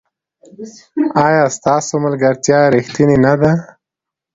ایا ستاسو ملګرتیا ریښتینې نه ده؟